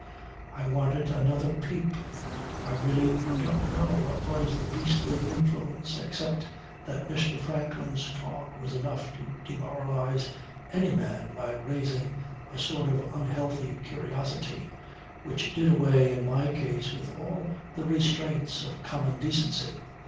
I wanted another peep. I really don't know what was the beastly influence except that Mr. Franklin's talk was enough to demoralize any man by raising a sort of unhealthy curiosity which did away in my case with all the restraints of common decency.